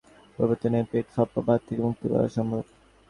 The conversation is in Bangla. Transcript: দৈনন্দিন অভ্যাসে সহজ কিছু পরিবর্তন এনে পেট ফাঁপা ভাব থেকে মুক্তি পাওয়া সম্ভব।